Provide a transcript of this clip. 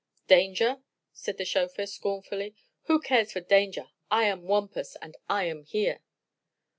"Danger?" said the chauffeur, scornfully. "Who cares for danger? I am Wampus, an' I am here!"